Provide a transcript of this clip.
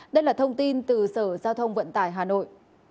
đây là thông tin từ sở giao thông vận tải hà nội